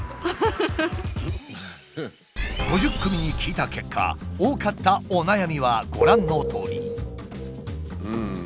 ５０組に聞いた結果多かったお悩みはご覧のとおり。